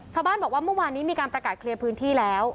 ชาวบ้านบอกว่าเมื่อวานนี้มีการประกาศเคลียร์พื้นที่แล้ว